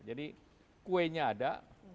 jadi kuenya ada